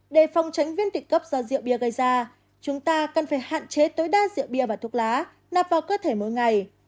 để phòng tránh viêm kịch cấp do rượu bia gây ra chúng ta cần phải hạn chế tối đa rượu bia và thuốc lá nạp vào cơ thể mỗi ngày